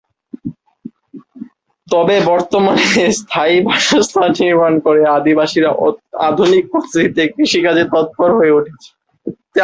তবে বর্তমানে স্থায়ী বাসস্থান নির্মাণ করে আদিবাসীরা আধুনিক পদ্ধতিতে কৃষিকাজে তৎপর হয়ে উঠেছে।